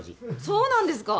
そうなんですか？